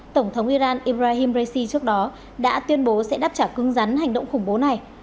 tổng thống iran ibrahim raisi trước đó đã tuyên bố sẽ đáp trả cưng rắn hành động khủng bố này